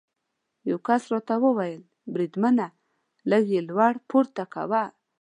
یو کس راته وویل: بریدمنه، لږ یې لوړ پورته کوه.